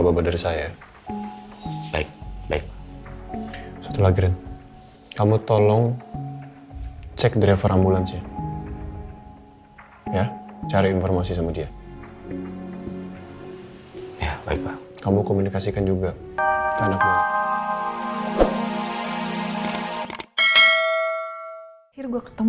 ya baiklah kamu komunikasikan juga ke anakmu